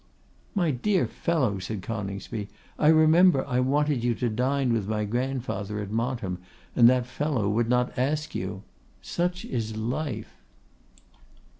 'My dear fellow,' said Coningsby, 'I remember I wanted you to dine with my grandfather at Montem, and that fellow would not ask you. Such is life!